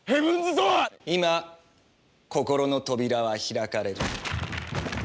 今心の扉は開かれる。